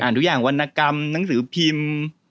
ทุกอย่างวรรณกรรมหนังสือพิมพ์